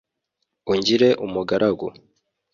ungire umugaragu